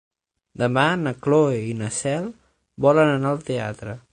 Demà na Cloè i na Cel volen anar al teatre.